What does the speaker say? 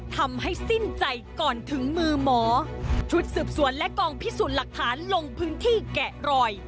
ทำให้สิ้นใจก่อนถึงมือหมอชุดสืบสวนและกองพิสูจน์หลักฐานลงพื้นที่แกะรอย